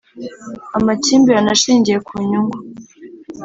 Amakimbirane ashingiye ku nyungu